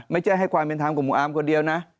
ไม่ใช่ให้ความเป็นธรรมกับหมู่อาร์มคนเดียวนะ